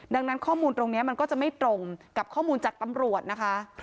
ดังนั้นข้อมูลตรงนี้มันก็จะไม่ตรงกับข้อมูลจากตำรวจนะคะ